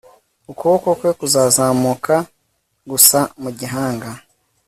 Ukuboko kwe kuzazamuka gusa mu gahanga